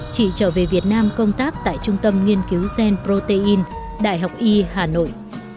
chị trở về việt nam công tác tại trung tâm nghiên cứu zen protein đại học y hà nội